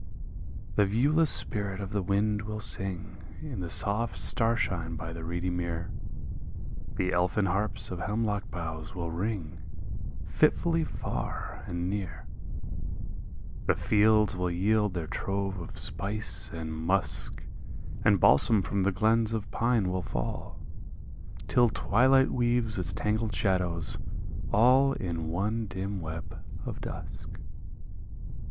The viewless spirit of the wind will sing In the soft starshine by the reedy mere. The elfin harps of hemlock boughs will ring Fitfully far and near; The fields will yield their trove of spice and musk. And balsam from the glens of pine will fall. Till twilight weaves its tangled shadows all In one dim web of dusk.